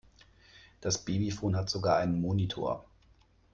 Das Babyphon hat sogar einen Monitor.